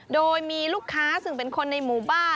โดยมีลูกค้าซึ่งเป็นคนในหมู่บ้าน